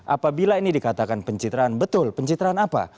apabila ini dikatakan pencitraan betul pencitraan apa